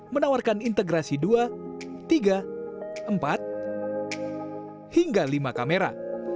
menawarkan integrasi dua tiga empat hingga lima kamera